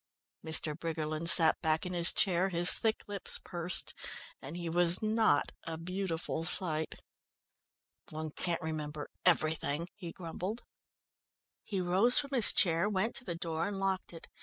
Mr. Briggerland sat back in his chair, his thick lips pursed, and he was not a beautiful sight. "One can't remember everything," he grumbled. He rose from his chair, went to the door, and locked it.